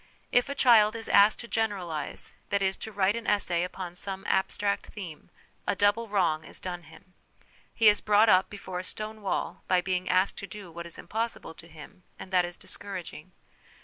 If a child is asked to generalise, that is, to write an essay upon some abstract theme, a double wrong is done him. He is brought up before a stone wall by being asked to do what is impossible to him, and that is discouraging.